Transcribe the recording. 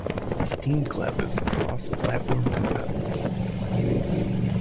The Steam Cloud is cross-platform compatible.